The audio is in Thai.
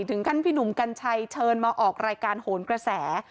ถึงขั้นพี่หนุ่มกัญชัยเชิญมาออกรายการโหนกระแส